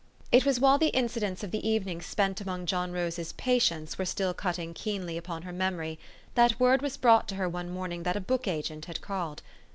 It was while the incidents of the evening spent among John Rose's " patients " were still cut keenly upon her memory, that word was brought to her one morning that a book agent had called.